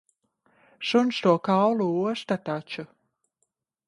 Suns to kaulu osta taču.